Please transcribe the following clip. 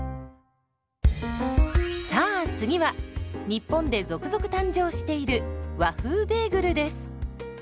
さあ次は日本で続々誕生している「和風ベーグル」です。